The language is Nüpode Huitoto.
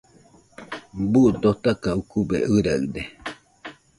Buu dotaka ukube ɨraɨde